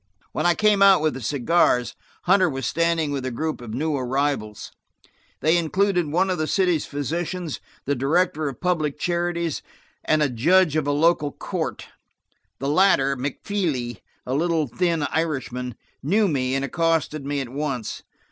When I came out with the cigars Hunter was standing with a group of new arrivals; they included one of the city physicians, the director of public charities and a judge of a local court. The latter, McFeely, a little, thin Irishman, knew me and accosted me at once.